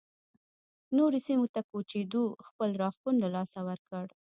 نورو سیمو ته کوچېدو خپل راښکون له لاسه ورکړ